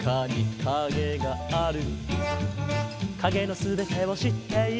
「影の全てを知っている」